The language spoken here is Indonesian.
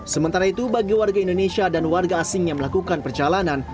sementara itu bagi warga indonesia dan warga asing yang melakukan perjalanan